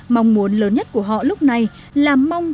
mong muốn lớn nhất của họ lúc này là mong